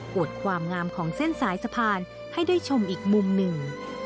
วดความงามของเส้นสายสะพานให้ได้ชมอีกมุมหนึ่ง